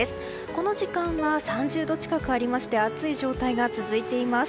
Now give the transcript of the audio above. この時間は３０度近くありまして暑い状態が続いています。